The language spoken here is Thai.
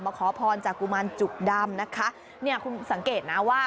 ขอพรจากกุมารจุกดำนะคะเนี่ยคุณสังเกตนะว่า